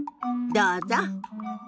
どうぞ。